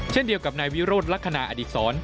เช่นเดียวกับนายวิโรธลักษณะอดีศร